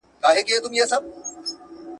که خویندې رضاکارې وي نو مرستې به نه ځنډیږي.